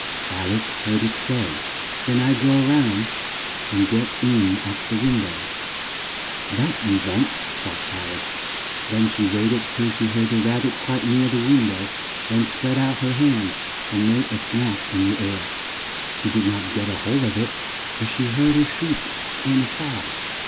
Al ice heard it say, "Then I'll go round and get in at the win dow." "That you won't!" thought Al ice; then she wait ed till she heard the Rab bit quite near the win dow, then spread out her hand and made a snatch in the air. She did not get hold of it, but she heard a shriek and a fall.